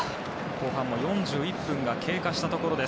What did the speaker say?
後半も４１分が経過したところ。